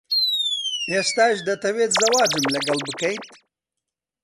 ئێستاش دەتەوێت زەواجم لەگەڵ بکەیت؟